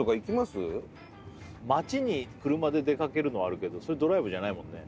街に車で出かけるのはあるけどそれドライブじゃないもんね